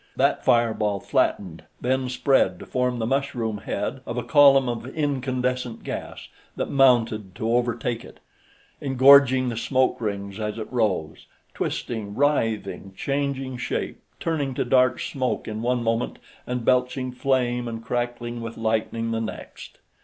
That fireball flattened, then spread to form the mushroom head of a column of incandescent gas that mounted to overtake it, engorging the smoke rings as it rose, twisting, writhing, changing shape, turning to dark smoke in one moment and belching flame and crackling with lightning the next.